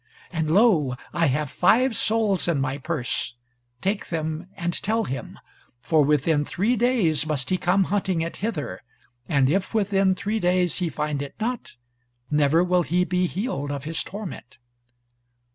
And lo! I have five sols in my purse, take them, and tell him: for within three days must he come hunting it hither, and if within three days he find it not, never will he be healed of his torment."